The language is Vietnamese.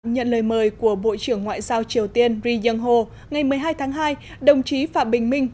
nhận lời mời của bộ trưởng ngoại giao triều tiên ri yong ho ngày một mươi hai tháng hai đồng chí phạm bình minh